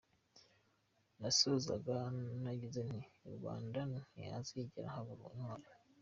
Sinasoza ntagize nti ” i Rwanda ntihazigera habura intwari!